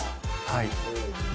はい